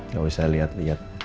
gak usah liat liat